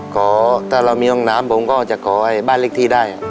ขอถ้าเรามีห้องน้ำผมก็จะขอให้บ้านเล็กที่ได้